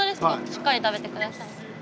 しっかり食べてください。